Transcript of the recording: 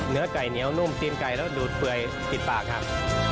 เนื้อไก่เหนียวนุ่มตีนไก่แล้วดูดเปื่อยติดปากครับ